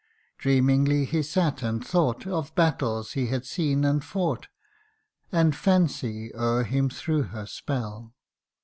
Dreamingly he sate, and thought Of battles he had seen and fought ; And fancy o'er him threw her spell.